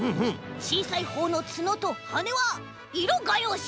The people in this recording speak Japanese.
ちいさいほうのつのとはねはいろがようし。